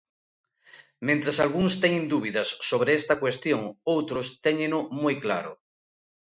Mentres algúns teñen dúbidas sobre esta cuestión outros téñeno moi claro.